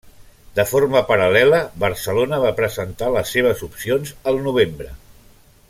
De forma paral·lela, Barcelona va presentar les seves opcions al novembre.